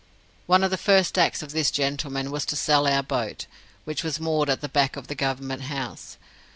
One of the first acts of this gentleman was to sell our boat, which was moored at the back of Government house.